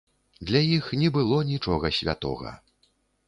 Для іх не было нічога святога.